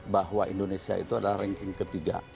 bahwa indonesia itu adalah ranking ketiga